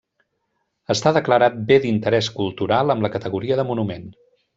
Està declarat Bé d'Interès Cultural, amb la categoria de Monument.